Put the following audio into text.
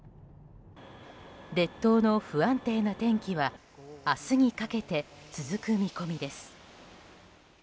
列島の不安定な天気は明日にかけて続く見込みです。